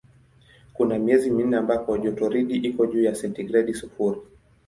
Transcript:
Kuna miezi minne ambako jotoridi iko juu ya sentigredi sifuri.